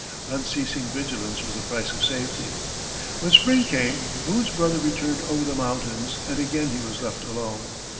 Unceasing vigilance was the price of safety. When spring came, Boone's brother returned over the mountains, and again he was left alone.